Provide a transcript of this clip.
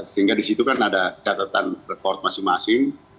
sehingga di situ kan ada catatan rekor masing masing